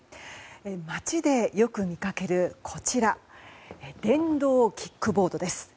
街でよく見かけるこちら電動キックボードです。